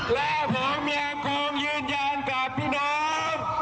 และผมยังคงยืนยันกับพี่น้อง